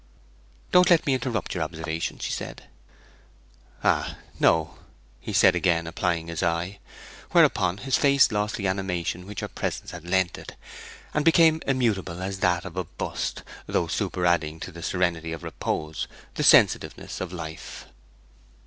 'Don't let me interrupt your observations,' said she. 'Ah, no,' said he, again applying his eye; whereupon his face lost the animation which her presence had lent it, and became immutable as that of a bust, though superadding to the serenity of repose the sensitiveness of life.